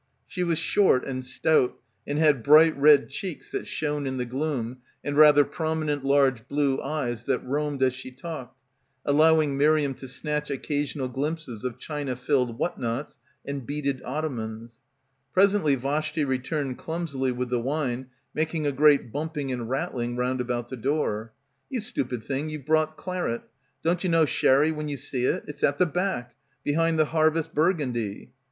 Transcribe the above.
She was short and stout and had bright red cheeks that shone in the gloom and rather prominent large blue eyes that roamed as she talked, allowing Miriam to snatch occasional glimpses of china filled what nots and beaded ottomans. Presently Vashti returned clumsily with the wine, making a great bumping and rattling round about the door. "You stupid thing, you've brought claret. Don't you know sherry when you see it? It's at the back — behind the Harvest Burgundy."